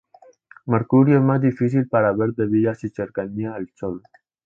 Mercurio es más difícil para ver debido a su cercanía al Sol.